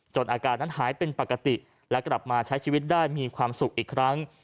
อาการนั้นหายเป็นปกติและกลับมาใช้ชีวิตได้มีความสุขอีกครั้ง